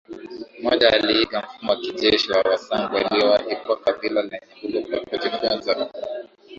moja Aliiga mfumo wa kijeshi wa Wasangu waliowahi kuwa kabila lenye nguvu kwa kujifunza